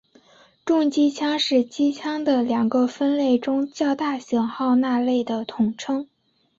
重机枪是机枪的两个分类中较大型号那类的统称。